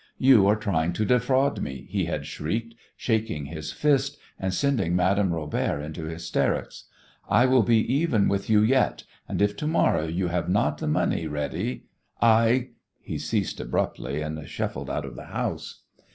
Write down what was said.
"You are trying to defraud me!" he had shrieked, shaking his fist and sending Madame Robert into hysterics. "I will be even with you yet, and if to morrow you have not the money ready, I " He ceased abruptly and shuffled out of the house.